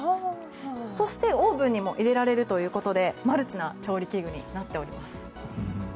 そしてオーブンにも入れられるということでマルチな調理器具になっております。